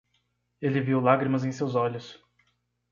Ele viu lágrimas em seus olhos.